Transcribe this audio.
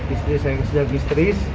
istri saya yang sudah istris